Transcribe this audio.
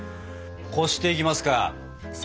こしていきますか。